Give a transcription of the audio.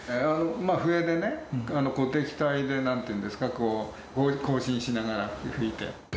笛でね、鼓笛隊で、なんていうんですか、行進しながら吹いて。